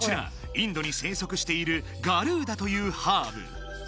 インドに生息しているガルーダというハーブ